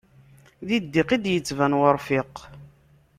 Di ddiq i d-yettban urfiq.